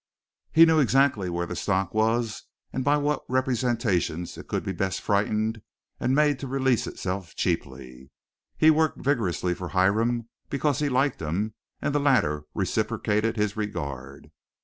He knew exactly where the stock was and by what representations it could be best frightened and made to release itself cheaply. He worked vigorously for Hiram because he liked him and the latter reciprocated his regard.